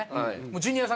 「ジュニアさん！」